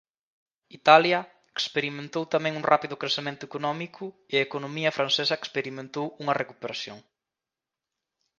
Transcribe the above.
Italia experimentou tamén un rápido crecemento económico e a economía francesa experimentou unha recuperación.